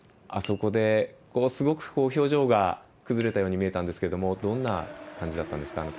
あそこで、すごく表情がくずれたように見えたんですがどんな感じだったんですか？